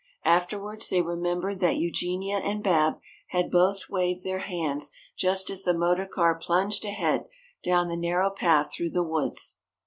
Afterwards they remembered that Eugenia and Bab had both waved their hands just as the motor car plunged ahead down the narrow path through the woods.